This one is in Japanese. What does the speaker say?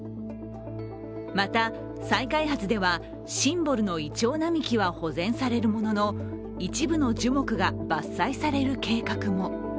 また再開発では、シンボルのいちょう並木は保全されるものの一部の樹木が伐採される計画も。